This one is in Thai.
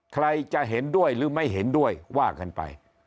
ใครจะเห็นด้วยหรือไม่เห็นด้วยว่ากันไป